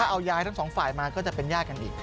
เอายายทั้งสองฝ่ายมาก็จะเป็นญาติกันอีก